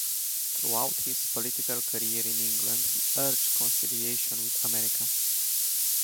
Throughout his political career in England he urged conciliation with America.